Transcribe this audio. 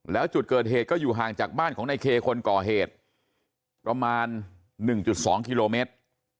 แล้วจุดเกิดเหตุก็อยู่ห่างจากบ้านของนายเคคนก่อเหตุประมาณ๑๒กิโลเมตร